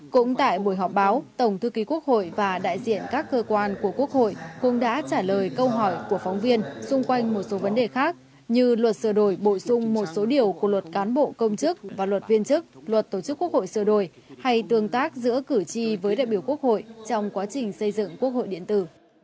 cũng tại buổi họp báo tổng thư ký quốc hội và đại diện các cơ quan của quốc hội cũng đã trả lời câu hỏi của phóng viên xung quanh một số vấn đề khác như luật sửa đổi bổ sung một số điều của luật cán bộ công chức và luật viên chức luật tổ chức quốc hội sửa đổi hay tương tác giữa cử tri với đại biểu quốc hội trong quá trình xây dựng quốc hội điện tử